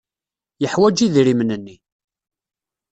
Yeḥwaj idrimen-nni.